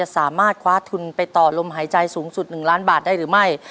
สามารถคว้าทุนไปต่อลมหายใจสูงสุด๑ล้านบาทได้หรือไม่